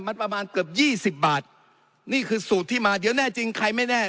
มันประมาณเกือบยี่สิบบาทนี่คือสูตรที่มาเดี๋ยวแน่จริงใครไม่แน่